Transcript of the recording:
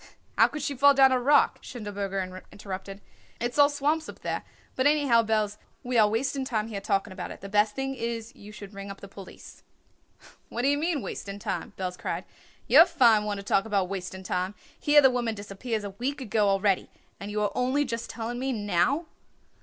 "How could she fall down a rock?" Schindelberger interrupted. "It's all swamps up there. But, anyhow, Belz, we are wasting time here talking about it. The best thing is you should ring up the police." "What d'ye mean, wasting time?" Belz cried. "You're a fine one to talk about wasting time. Here the woman disappears a week ago already and you are only just telling me now."